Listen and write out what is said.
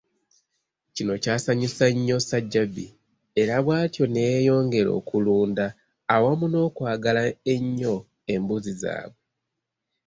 Kino kyasanyusa nnyo Ssajjabbi era bwatyo ne yeeyongera okulunda awamu n’okwagala ennyo embuzi zaabwe.